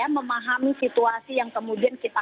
memahami situasi yang kemudian kita